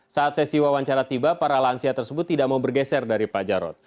saat sesi wawancara tiba para lansia tersebut tidak mau bergeser dari pak jarod